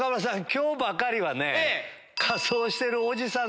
今日ばかりはね。